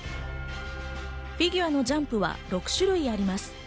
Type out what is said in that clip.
フィギュアのジャンプは６種類あります。